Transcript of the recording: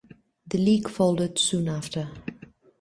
The league folded soon after.